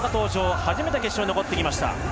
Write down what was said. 初めて決勝に残ってきました。